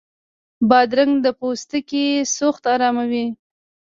بادرنګ د پوستکي سوخت اراموي.